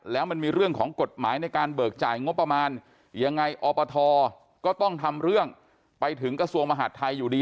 แล้วมันมีเรื่องของกฎหมายในการเบิกจ่ายงบประมาณยังไงอปทก็ต้องทำเรื่องไปถึงกระทรวงมหาดไทยอยู่ดี